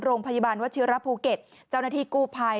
โรงพยาบาลวัชิระภูเก็ตเจ้าหน้าที่กู้ภัย